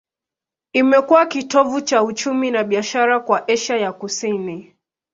Imekuwa kitovu cha uchumi na biashara kwa Asia ya Kusini.